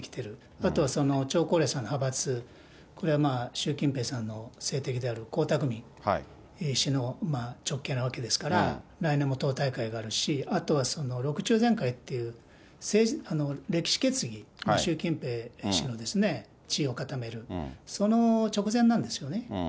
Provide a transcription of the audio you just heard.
あとは張高麗さんの派閥、これは習近平さんの政敵である江沢民氏の直系なわけですから、来年も党大会があるし、あとは六中全会という、歴史決議、習近平氏の地位を固める、その直前なんですよね。